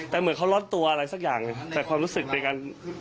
แต่เหมือนเขารอดตัวอะไรสักอย่างแต่ความรู้สึกในการ